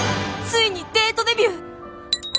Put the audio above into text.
ついにデートデビュー。